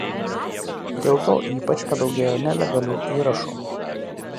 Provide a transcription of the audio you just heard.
Dėl to ypač padaugėjo nelegalių įrašų.